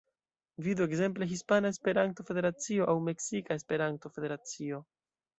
Vidu ekzemple Hispana Esperanto-Federacio aŭ Meksika Esperanto-Federacio.